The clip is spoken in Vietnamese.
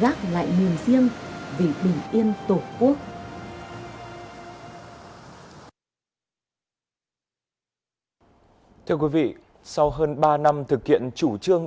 rác lại miền riêng vì bình yên tổ quốc ạ ừ ừ anh thưa quý vị sau hơn ba năm thực hiện chủ trương